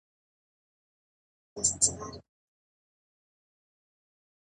کتاب د پوهې هغه سمندر دی چې هر څوک ترې خپله تنده ماتولی شي.